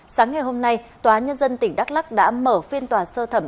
sáng ngày hôm nay tòa nhân dân tỉnh đắk lắc đã mở phiên tòa sơ thẩm